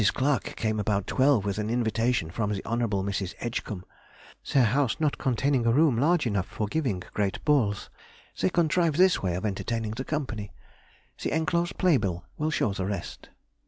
Clarke came about twelve with an invitation from the Honourable Mrs. Edgecombe—their house not containing a room large enough for giving great balls, they contrived this way of entertaining the company. The enclosed playbill will show the rest.